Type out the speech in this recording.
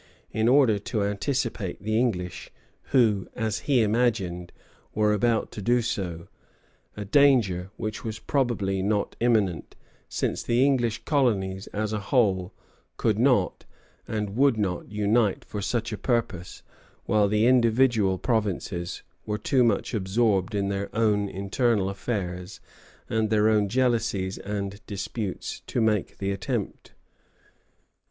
_] in order to anticipate the English, who, as he imagined, were about to do so, a danger which was probably not imminent, since the English colonies, as a whole, could not and would not unite for such a purpose, while the individual provinces were too much absorbed in their own internal affairs and their own jealousies and disputes to make the attempt.